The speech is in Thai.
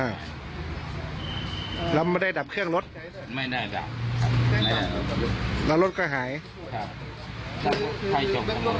แล้วมันไม่ได้ดับเครื่องรถไม่ได้ดับแล้วรถก็หายครับ